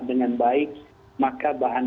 dengan baik maka bahan